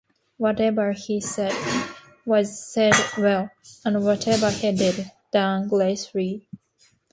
Whatever he said, was said well; and whatever he did, done gracefully.